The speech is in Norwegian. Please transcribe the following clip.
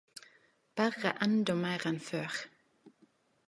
Berre enda meir enn før